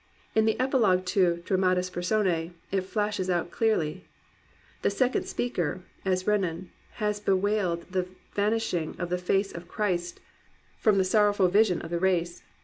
In the Epilogue to Dramatis Persons it flashes out clearly. The second speaker, as Renan, has bewailed the vanishing of the face of Christ from the sorrowful 279 COMPANIONABLE BOOKS vision of the race.